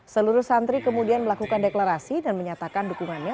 seluruh santri kemudian melakukan deklarasi dan menyatakan dukungannya